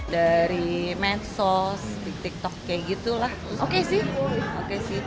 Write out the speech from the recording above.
dari medsos di tiktok kayak gitu lah oke sih